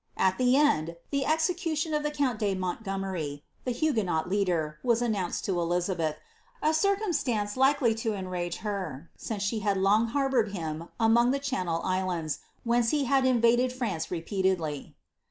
'' At the end, the execution o( the count de Monigomer Huguenot leader, was announced to Dizabeih — a circumstance i to enrage ber, since she had lon^ harbouied him among the Chi Islands, whence he had invaded France repeatedly.'